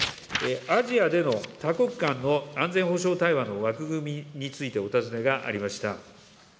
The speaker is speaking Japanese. アジアでの多国間の安全保障対話の枠組みについてお尋ねがありました。